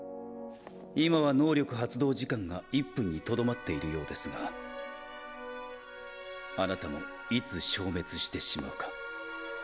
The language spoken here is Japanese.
今は能力発動時間が１分にとどまっているようですが貴方もいつ消滅してしまうか。